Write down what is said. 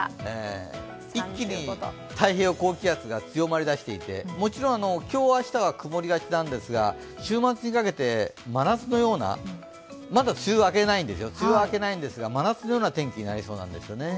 一気に太平洋高気圧が強まりだしていてもちろん今日、明日は曇りがちなんですが週末にかけて真夏のような、まだ梅雨明けないんですよ、まだ梅雨明けないんですが真夏のような天気になりそうなんですよね。